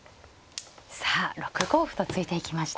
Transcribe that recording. さあ６五歩と突いていきました。